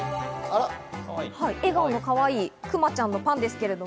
笑顔のかわいいクマちゃんのパンです。